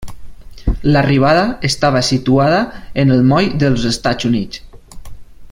L'arribada estava situada en el Moll dels Estats Units.